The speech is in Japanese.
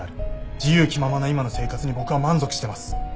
自由気ままな今の生活に僕は満足してます。